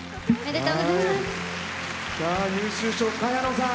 優秀賞、萱野さん